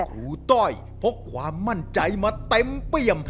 ครูต้อยพกความมั่นใจมาเต็มเปรียม